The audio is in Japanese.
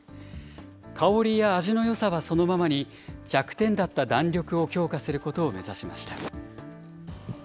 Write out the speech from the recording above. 香りや味のよさはそのままに、弱点だった弾力を強化することを目指しました。